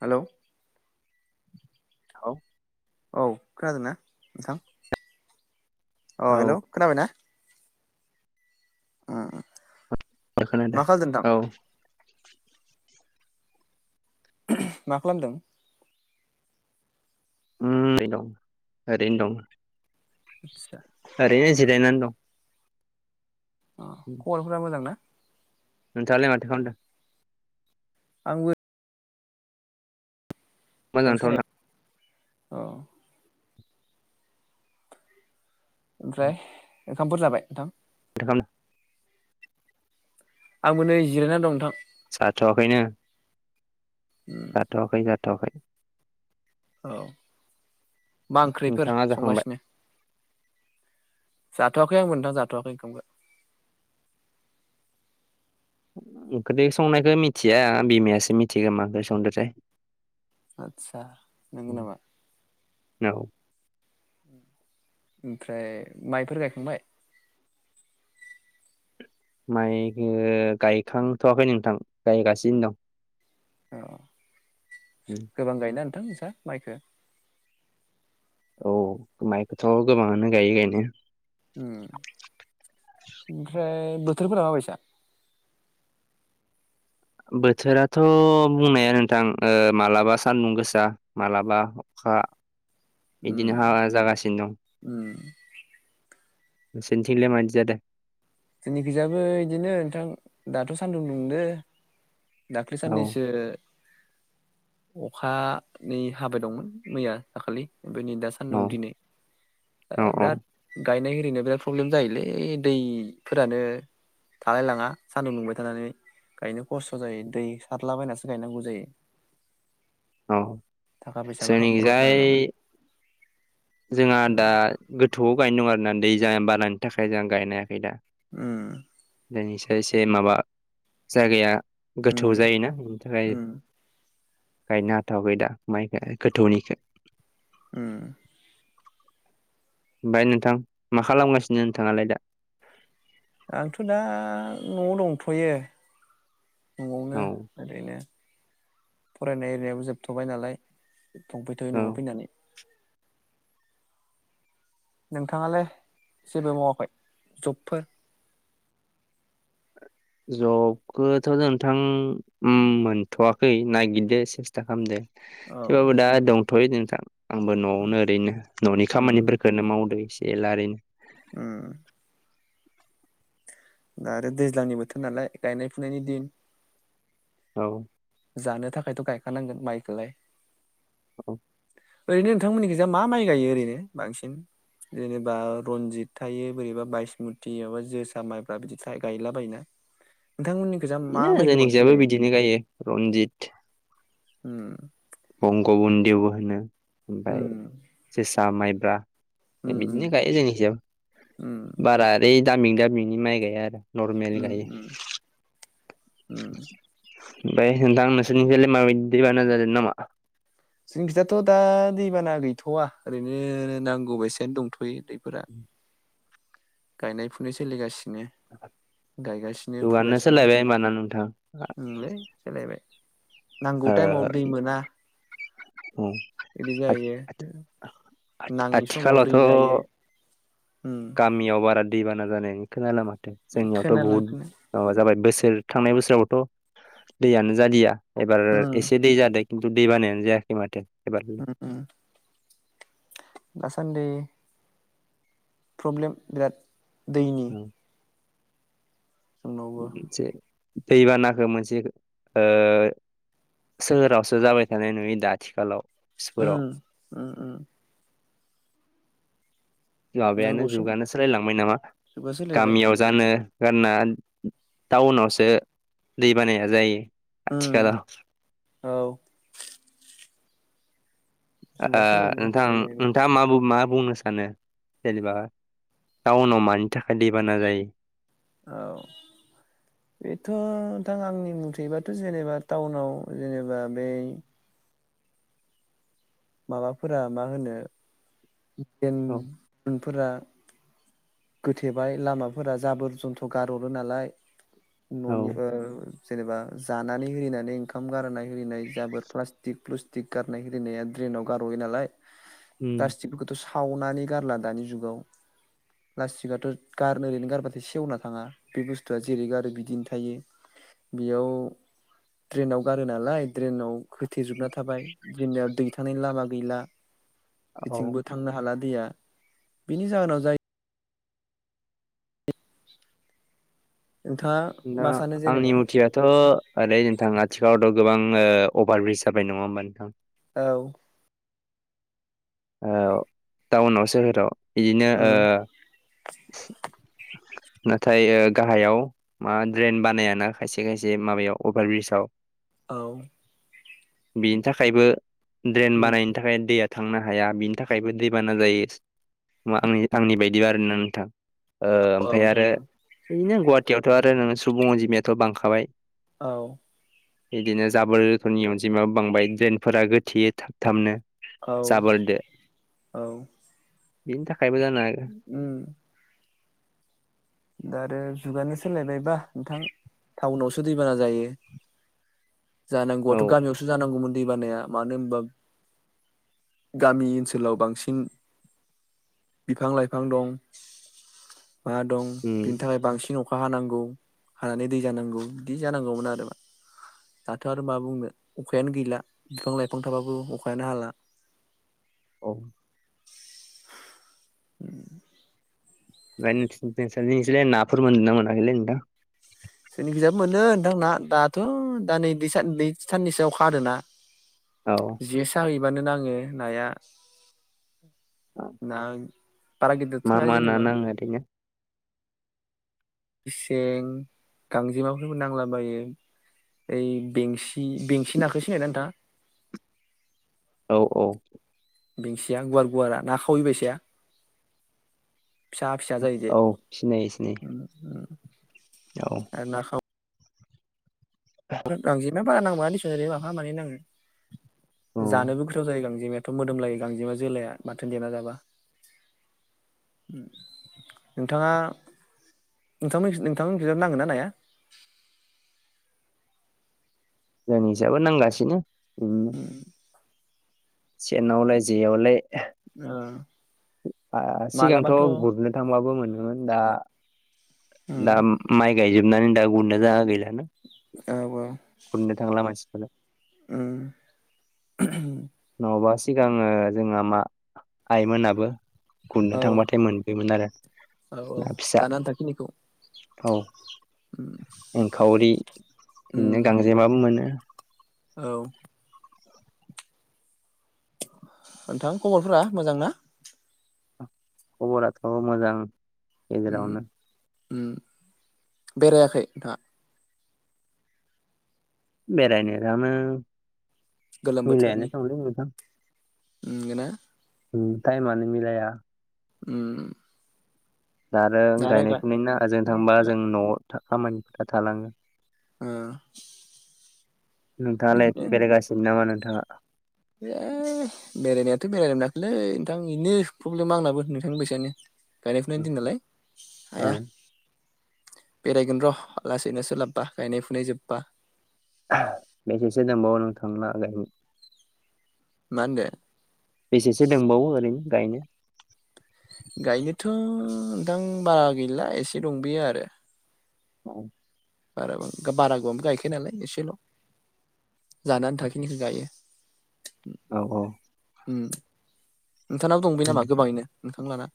[inaudible] हेल'। औ। औ खोनादोंना नोंथां? [inaudible] अ हेल' औ खोनाबायना? ओ ओ। एबार खोनादो औ। ओहोम मा खालामदों? उम ओरैनो दं ओरैनो दं। आतसा। आरैनो जिरायना दं। अ खबरफोरा मोजां ना? नोंथाङालाय माथो खालामदों? आंबो बिफां मोजांथ' ना माथो सायाव [inaudible] औ। ओमफ्राय ओंखामफोर जाबाय नोंथां? दोखाम। आंबो नै जिरायनानै दं नोंथां। जाथवाखैनो। [inaudible] जाथ'वाखै जाथ'वाखै। औ [inaudible] मा ओंख्रिफोर नोंथाङा जाखांबाय संगासिनो? जाथ'आखै आंबो नोंथां जाथ'आखै ओंखामखौ। ओंखोजों संनायखौ मिथिया बिमायासो मिथिगोमा ओंख्रि संदोथाय। आदसा नोंगौ नामा? औ। [inaudible] ओमफ्राय माइफोर गायखांबाय? माइखौ गायखांथ'वाखै नोंथां गायगासिनो दं। औ दं गोबां गायोन नोंथां नोंस्रा माइखौ? औ माइखौथ' गोबाङानो गायो गायनो। उम ओमफ्राय बोथोरफोरा माबायसा? बोथोराथ' बुंनाया नोंथां ओ मालाबा सानदुं गोसा मालाबा अखा [inaudible] उम बिदिनो हा जागासिनो दं। उम। सेनिथिंनिलाय मादि जादों? जोंनिखिजायाबो इदिनो नोंथां दाथ' सान्दुं दुंदो। दााख्लि औ साननैसौ अख नै हाबाय दंमोन मैया दाखालि ओमफ्राय नै दा औ सान्दुं दिनै ओ औ औ बिराद गायनाय हिरिनाय बिराद प्रब्लेम जायोलै दै फोरानो थालाय लाङा सानदुं लुंबाय थानानै। गायनो खस्थ' जायो दै सारलाबायनासो गायनांगौ जायो। औ थाखा फैसाखौ नखराव जोंनिजाय जालायलाङो। जोंहा उम दा गोथौआव गायनो दं आरोना दै ज बानायानि थाखाय जों गायनाय हाखै दा उम। बेनिसाय एसे माबा जायगाया गोथौ उम जायोना बेनि थाखाय उम गायनो हाथ'वाखै दा माइखो गोथौनिखो। उम। ओमफाय नोंथां मा खालामगासिनो नोंथाङालाय दा? आंथ दा नआव दंथयो औ न'आवनो। ओरैनो फरायनाय एरियाबो जोबथ'बाय नालाय थंफैथयो औ न'आव फैनानै। नोंथाङालाय जेबो मावाखै जबफोर? जबखोथ' नोंथां उम मोनथवाखै नायगिरदो सेस जाखालामदो औ थेवबाबो दा दंथयो नोंथां आंबो न'आवनो ओरैनो ननि उम खामानिफोरखौनो मावदो एसे एला ओरैनो ओ दा आरो दैज्लांनि बोथोर नालाय गायनाय फुनायनि दिन औ जानो थाखायथ' गायखानांगोन माइखोलाय औ ओरैनो नोंथांमोननि गोजा मा माइ गायो ओरैनो बांसिन जेनेबा रनजित थायो बोरैबा बायसमुति माबा जोसा माइब्रा बिदि गायलाबायोना नोंथांमोननि बिदिनो जोंनि खिजायाबो बिदिनो गायो रनजित उम बंगबनन्देवबो होनो ओमफ्राय उम जोसा माइब्रा उम उम बिदिनो गायो जोंनि हिसाब उम बारा बे दामि दामिनि माइ गाया आरो नरमेल उम गायो उम उम ओमफाय नोंथां नोंसोरनिसोरलाय माबाय दैबाना जादों नामा जोंनि खिथाथ' दा दैबाना गैथ'वा ओरैनो नांगौ बायसानो दंथ'यो दैफोरा [inaudible] गायनाय फुनाय सोलिगासिनो गायगासिनो जुगानो फुगासिनो सोलायबाय होमबाना नोंथां उम लै सोलायबाय नांगौ ओ टाइमाव दै मोना औ बिदि जाहैयो आथि नाङि समाव दै जायो आथिखालावथ' उम गामियाव बारा दैबाना जानायनि खोनला माथो जोंनियावथ' खोनाला बहुद खोना अ जाबाय बोसोर थांनाय बोसोरावथ' दैयानो जालिया एबार उम एसे दै जादों दैबानायानो जायाखै माथो एबार ओ दासान्दि प्रब्लेम बिराद दैनि औ जोंनावबो मोनसे दैबानाखौ मोनसे ओ सोहोरावसो जाबाय थानाय नुययो दा आथिखालाव फोराव उम उम उम माबायानो नांगौ सम जुगानो सोलायलांबाय नामा जुगा सोलायबाय गामियाव जानो होनना टाउनावसो दै बानाया जायो उम आथिखालाव औ ओ जुगा सोलायनाय नोंथां रखमानो जाहैबाय नोंथाङा मा बु मा बुंनो सान सानो जेनेबा टाउनाव मानि थाखाय दैबाना जायो औ बेथ' नोंथां आंनि मुथेबाथ' जेनेबा टाउनाव जेनेबा बै माबाफोरा मा होनो औ एनफोरा गोथेबाय लामाफोरा जाबोर जन्थ गारहरो नालाय औ ननि ओ जेनेबा जानानै हिरिनानै ओंखाम गारनाय हिरिनाय जाबोर प्लास्टिक प्लुस्टिक गारनाय हिरिनाया ड्रेनाव गारह'यो नालाय उम प्लास्टिकफोरखौथ' सावनानै गारला दानि जुगाव प्लास्टिकआथ' गारनो ओरैनो गारबाथाय सेवना थाङा बे बुस्थुआ जेरै गारो बिदिनो थायो बेयाव ट्रेनाव गारो नालाय ड्रेनाव खोथेजोबना थाबाय जोंनियाव दै थानायनि लामा गैला औ जेथिंबो थांनो हाला दैया बेनि जाहोनाव जाय नोंथाङा दा मा सानो आंनि जेनेबा मथिया थ' ओरै नोंथां आथिखालावथ' गोबां अभार ब्रिज जाबाय नङा होमबा नोंथां औ औ टाउनाव सोहोराव बिदिनो उम ओ नाथाय ओ गाहायाव मा ड्रेन बानायाना खायसे खायसे माबायाव अभार ब्रिजआव। औ। बिनि थाखायबो ड्रेन उम बानायनो थाखाय दैया थांनो हाया बिनि थाखायबो दैबाना जायो आंनि आंनि बायदि आरोना नोंथां। ओ औ ओमफाय नोंथां आरो बिनो गुवाहाटीयावथ' आरो नो सुबुं अनजिमायाथ' बांखाबाय। औ। बिदिनो जाबोरफोरनि अनजिमायाबो बांबाय ड्रेनफोरा गोथेयो थाब थाबनो। औ जाबोर दे औ बेनि थाखायबो जानो हा उम। दा आरो जुगानो सोलायबायबा नोंथां टाउनावसो दैबाना जायो। औ जानांगौआथ' गामियावसो जानांगौमोन दै बानाया मानो होनबा गामि ओनसोलाव बांसिन बिफां लाइफां दं मा दं उम बिनि थाखाय बांसिन अखा अखा हानांगौ हानानै दै जानांगौ बिदि जानांगौमोन आरो मा। दाथ' आरो मा बुंनो अखायानो गैला बिफां लाइफां थाबाबो अखायानो हाला। औ ओमफ्राय नोंसानिथिं नाफोर मोन्दों ना मोनाखैलै नोंथा? जोंनिखैजाबो मोनो नोंथां ना दाथ' दा नै सानै साननैसोआव अखा हादों ना। [inaudible] औ। जे साहैबानो नाङो नाया ना बारा गिदिरथ' मा नङा जेनबा। [unintelligible] सें गांजेमाफोरबो नांलाबायो ऐ बेंसि बि-बेंसिननाखो सिनायोना नोंथाङा? औ औ। बेंसिया गुवार गुवारा ना खावैबायसाया। फिसा फिसा जायो जे औ सिनायो सिनायो औ। आरो ना खाव गांजेमाया बारा नांबाङा दिसन ओरैनो माफा मानै नाङो। औ जानोबो गोथाव जायो गांजेमायाथ' मोदोम लायो गांजेमा जोलाया माथोन देना जाबा। ओम नोंथाङा नोंथांमोनि नोंथां मोननि खिजाय नाङोना नाया? जोंनिसाबो नांगासिनो ओम उम सेनावलाय जेयावलाय। ओ। आ सिगांथ' मालाबाथ' गुरनो थांबाबो मोनोमोन दा उम दा माइ गायजोबनानै दा गुननो जागा गैलाना। औ औ गुरनो थांला मानसिफोरा। ओम नङाबा सिगाङो जोंहा मा आइमोनाबो औ गुरनो थांबाथाय मोन बोयोमोन आरो। औ ना औ फिसा जानो आन्था खिनिखौ। औ एंखावरि उम बिदिनो गांजेमाबो मोनो। औ नोंथां खबरफोरा मोजां ना? खबराथ' मोजां। ओम गेजेरावनो ओम बेरायाखै नोंथाङा? बेरायनो गोलोम बोथोरनि [unintelligible] [unintelligible] ओम टाइमानो मिलाया। ओम। दा आरो गायनाय फुनायनि ना ओजों थांबा गा जों न'आव खामानिफोरा थालाङो। ओ। नोंथाङालाय बिदिनो बेरायगासिनो नामा नोंथाङा? [unintelligible] बेरायनायाथ' बेरायनो मोनाखैलै नोंथां बेनो प्रब्लेम आंनाबो नोंथांनि बैसायानो। गायनाय फुनायनि दिन नालाय हाया। ओं बेरायगोन र' लासैनो सोलाबबा गायनाय फुनाय जोब्बा। बेसेसो दंबावो नोंथांना गायनो? [unintelligible] बेसेसो दंबावो ओरैनो गायनो? गायनोथ' नोंथां बारा गैला एसे दं बायो आरो। औ। बार बारा गोबांबो गायखाया नालाय एसेल'। जानो आनथाखिनिखौ गायो। औ औ। ओम नोंथानाबो दंबावो नामा गोबाङैनो नोंथां लाना?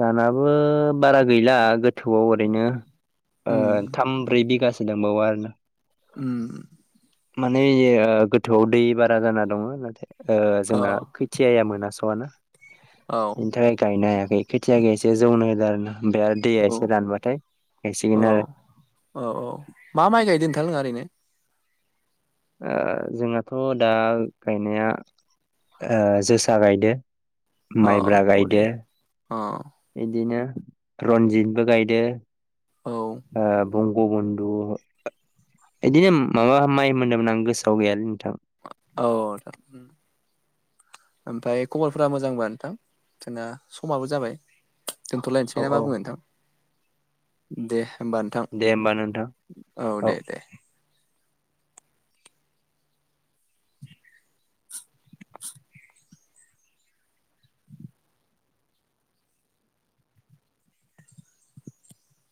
जानाबो बारा गैला गोथौआव ओरैनो ओ उम थाम, ब्रै बिगासो एसे दांबावो आरो ना? ओम। माने इयो गोथौआव दै बारा जाना दङ नाथाय ओ औ जोंना [unintelligible] खोथियाया मोनास'वाना औ बिनि थाखाय गायनो हायाखै। खेथियाखौ एसे जौनो होदों आरोना ओमफ्राय आरो दैया औ एसे रानबाथाय औ गायसिगोन आरो। औ औ मा माइ गायदों नोंथांमोना ओरैनो? जोंहाथ' दा गायनाया जोसा गायदो। अ माइब्रा गायदो बरिया अ। बिदिनो रनजितबो गायदो औ ओ [unintelligible] गबन्दु बिदिनो माबा माइ होन्दों आं गोसोआव गैयालै नोंथां। औ [unintelligible] ओमफ्राय खबरफोरा मोजांबा नोंथां जोंना समाबो जाबाय। दोनथ'लायनोसै ना औ मा औ बुङो नोंथां दे होमबा नोंथां दे होमबा नोंथां। औ दे दे। [unintelligible]